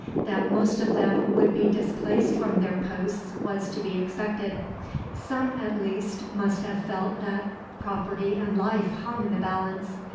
That most of them would be displaced from their posts was to be expected. Some at least must have felt that property and life hung in the balance.